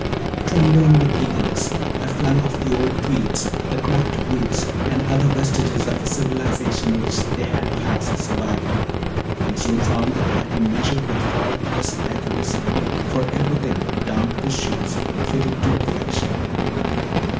Trembling with eagerness, I flung off the old tweeds, the cracked boots, and other vestiges of a civilization which they had perhaps survived, and soon found that I had been measured with faultless accuracy; for everything, down to the shoes, fitted to perfection.